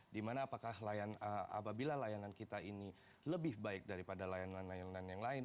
dimana apakah apabila layanan kita ini lebih baik daripada layanan layanan yang lain